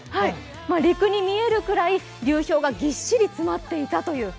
陸に見えるくらい流氷がぎっしり詰まっていたという。